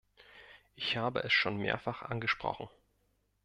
Ich habe es schon mehrfach angesprochen.